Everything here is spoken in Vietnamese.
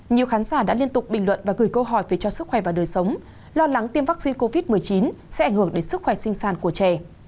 nhiều khán giả đã liên tục bình luận và gửi câu hỏi về cho sức khỏe và đời sống lo lắng tiêm vaccine covid một mươi chín sẽ ảnh hưởng đến sức khỏe sinh sản của trẻ